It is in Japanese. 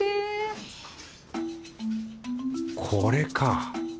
これか。